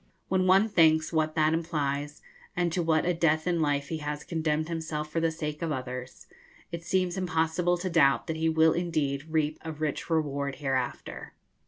When one thinks what that implies, and to what a death in life he has condemned himself for the sake of others, it seems impossible to doubt that he will indeed reap a rich reward hereafter.